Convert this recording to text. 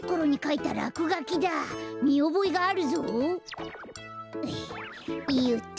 いよっと。